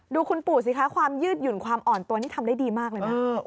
ดูคุณปู่สิคะความยืดหยุ่นความอ่อนตัวนี่ทำได้ดีมากเลยนะ